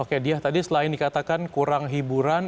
oke dia tadi selain dikatakan kurang hiburan